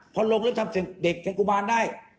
พอลงเริ่มทำเส้นเด็กเป็นกุมานได้